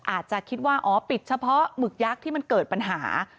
อาจจะคิดว่าอ๋อปิดเฉพาะหมึกยักษ์ที่มันเกิดปัญหา